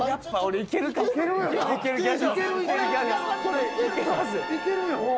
行けるよ。